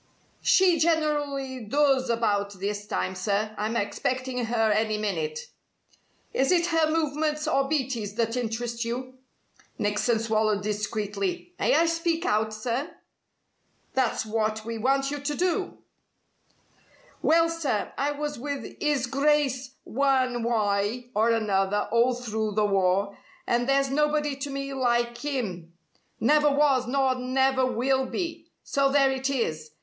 "She generally does about this time, sir. I'm expecting her any minute." "Is it her movements or Beatty's that interest you?" Nickson swallowed discreetly. "May I speak out, sir?" "That's what we want you to do." "Well, sir, I was with 'is Grice one wye or another all through the war, and there's nobody to me like 'im never was nor never will be. So there it is!